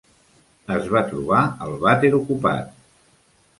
Es va trobar el vàter ocupat.